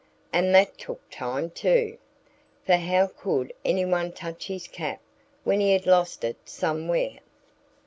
And that took time, too. For how could anyone touch his cap when he had lost it somewhere?